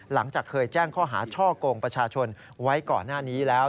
หลังจากเคยแจ้งข้อหาช่อกงประชาชนไว้ก่อนหน้านี้แล้ว